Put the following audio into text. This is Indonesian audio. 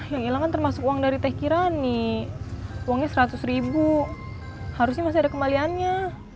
yang ilang termasuk uang dari teh kirani uangnya seratus harusnya ada kembaliannya